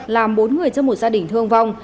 làm bốn người trong một gia đình thương vong